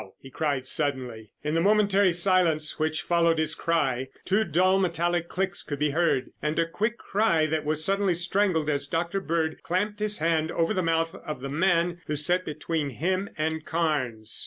he cried suddenly. In the momentary silence which followed his cry, two dull metallic clicks could be heard, and a quick cry that was suddenly strangled as Dr. Bird clamped his hand over the mouth of the man who sat between him and Carnes.